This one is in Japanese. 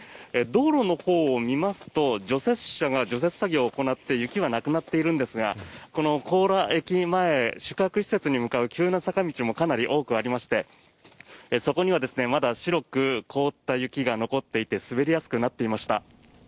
道路のほうを見ますと除雪車が除雪作業を行って雪はなくなっているんですがこの強羅駅前宿泊施設に向かう急な坂道も多くありましてそこにはまだ白く凍った雪が残っていて滑りやすくなっていました。